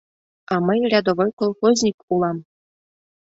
— А мый рядовой колхозник улам...